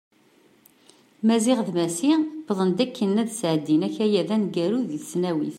Maziɣ d Massi wwḍen-d akken ad sɛeddin akayad aneggaru deg tesnawit.